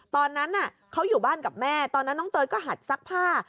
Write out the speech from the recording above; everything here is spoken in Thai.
ตอนนั้นเขาอยู่บ้านกับแม่ตอนนั้นน้องเตยก็หัดซักผ้า